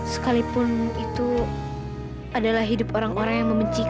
sekalipun itu adalah hidup orang orang yang membenci